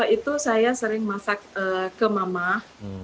itu saya sering masak kemamah